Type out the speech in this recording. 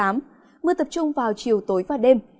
mưa tập trung vào chiều tối và đêm